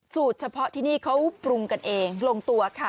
เฉพาะที่นี่เขาปรุงกันเองลงตัวค่ะ